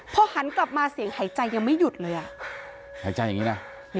พอหันกลับมาเสียงหายใจยังไม่หยุดเลยอ่ะหายใจอย่างนี้นะ